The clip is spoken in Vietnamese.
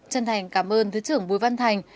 chân thành cảm ơn thứ trưởng bùi văn thành